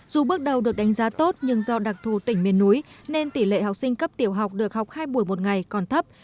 dù bước đầu được đánh giá tốt nhưng do đặc thù tỉnh miền núi nên tỷ lệ học sinh cấp tiểu học được học hai buổi một ngày còn thấp